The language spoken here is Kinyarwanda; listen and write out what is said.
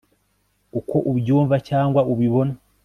uko ubyumva cyangwa ubibona